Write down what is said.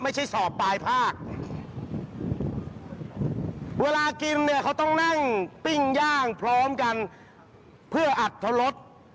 สอบปลายภาคเวลากินเนี่ยเขาต้องนั่งปิ้งย่างพร้อมกันเพื่ออัตรรส